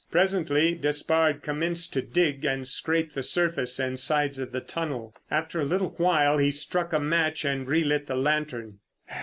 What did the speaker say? Presently Despard commenced to dig and scrape the surface and sides of the tunnel. After a little while he struck a match and re lit the lantern.